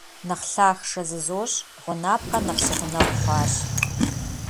Нэхъ лъахъшэ зызощӀ — гъунапкъэр нэхъ си гъунэгъу хъуащ.